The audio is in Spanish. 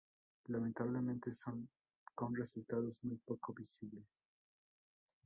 Lamentablemente con resultados muy poco visibles.